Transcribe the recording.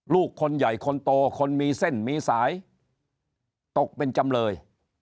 ลูกคนใหญ่คนโตคนมีเส้นมีสายตกเป็นจำเลย